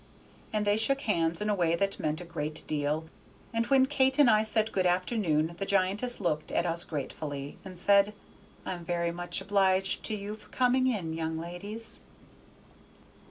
And they shook hands in a way that meant a great deal, and when Kate and I said good afternoon the giantess looked at us gratefully, and said, "I'm very much obliged to you for coming in, young ladies."